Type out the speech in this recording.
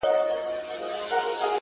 مهرباني د سختو زړونو یخ ماتوي